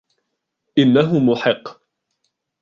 إنه محق.